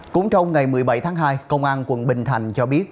cũng trong ngày một mươi bảy tháng hai công an quận bình thành cho biết